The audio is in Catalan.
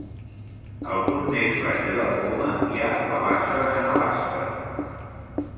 Al punt més baix de la coma hi ha la bassa de Sanavastre.